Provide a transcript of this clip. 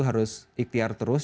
harus ikhtiar terus